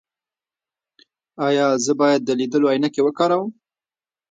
ایا زه باید د لیدلو عینکې وکاروم؟